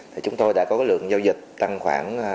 thì chúng tôi đã có lượng giao dịch tăng khoảng